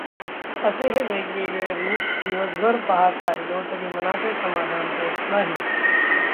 असे हे वेगवेगळे रूप दिवसभर पाहत राहिलो तरी मनाचे समाधान होत नाही.